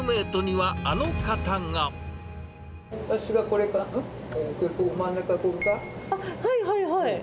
はいはいはいはい。